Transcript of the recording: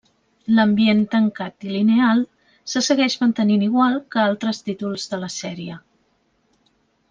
L'ambient tancat, i lineal se segueix mantenint igual que altres títols de la sèrie.